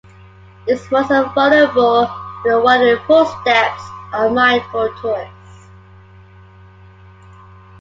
It is most vulnerable to the wandering footsteps of unmindful tourists.